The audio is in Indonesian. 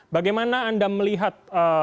bagaimana anda melihat